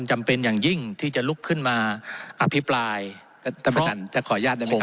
จำเป็นอย่างยิ่งที่จะลุกขึ้นมาอภิปรายจะขออนุญาตได้ไหมครับ